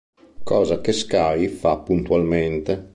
Cosa che Skye fa puntualmente.